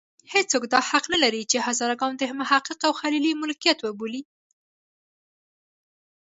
هېڅوک دا حق نه لري چې هزاره ګان د محقق او خلیلي ملکیت وبولي.